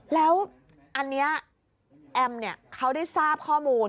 แล้วอันนี้แอมเขาได้ทราบข้อมูล